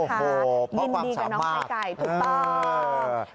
เพราะความสามารถยินดีกับน้องพัยไก่ถูกต้อง